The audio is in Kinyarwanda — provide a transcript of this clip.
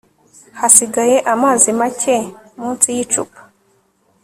hasigaye amazi make munsi y icupa